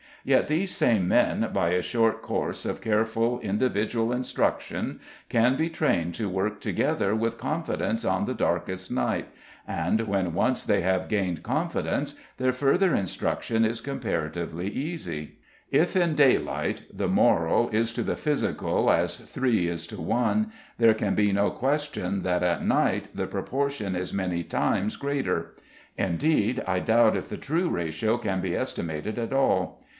Yet these same men, by a short course of careful, individual instruction, can be trained to work together with confidence on the darkest night, and when once they have gained confidence their further instruction is comparatively easy. If in daylight the moral is to the physical, as three is to one, there can be no question that at night the proportion is many times greater. Indeed, I doubt if the true ratio can be estimated at all.